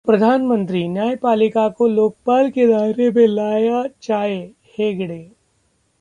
प्रधानमंत्री, न्यायपालिका को लोकपाल के दायरे में लाया जाए: हेगड़े